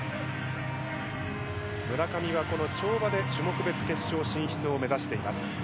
村上は跳馬で種目別決勝進出を目指しています。